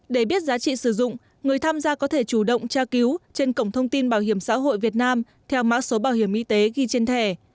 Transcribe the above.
để biết giá trị sử dụng người tham gia có thể chủ động tra cứu trên cổng thông tin bảo hiểm xã hội việt nam theo mã số bảo hiểm y tế ghi trên thẻ